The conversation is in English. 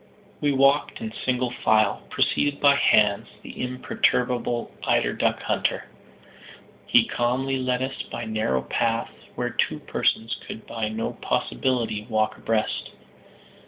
We walked in single file, preceded by Hans, the imperturbable eider duck hunter. He calmly led us by narrow paths where two persons could by no possibility walk abreast.